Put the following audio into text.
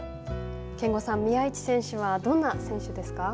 憲剛さん、宮市選手はどんな選手ですか。